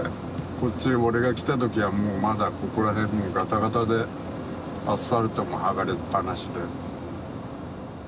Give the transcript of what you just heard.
こっち俺が来た時はもうまだここら辺もうガタガタでアスファルトも剥がれっぱなしで。